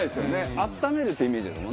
温めるっていうイメージですもんね。